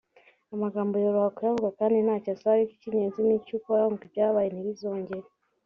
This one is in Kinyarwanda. Amagambo yoroha kuyavuga kandi ntacyo asaba ariko icy’ingenzi ni icyo ukora ngo ibyabaye ntibizongere